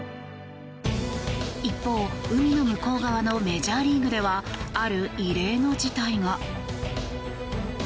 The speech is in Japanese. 一方、海の向こう側のメジャーリーグではある異例の事態が。